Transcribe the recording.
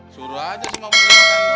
suruh aja sih mau beli makan